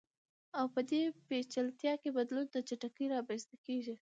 او په دې پېچلتیا کې بدلون په چټکۍ رامنځته کیږي.